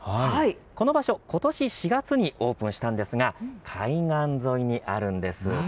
この場所、ことし４月にオープンしたんですが海岸沿いにあるんです。